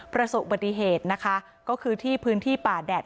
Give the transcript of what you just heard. ประสบอุบัติเหตุนะคะก็คือที่พื้นที่ป่าแดด